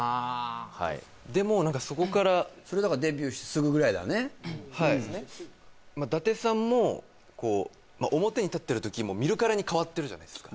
はいでも何かそこからそれだからデビューしてすぐぐらいだねはいまあ舘さんもこう表に立ってる時も見るからに変わってるじゃないですか